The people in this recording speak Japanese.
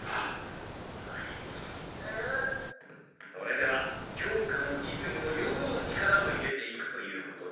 それでは教科も実技も両方力を入れていくということで。